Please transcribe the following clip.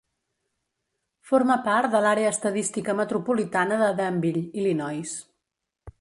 Forma part de l'Àrea estadística metropolitana de Danville, Illinois.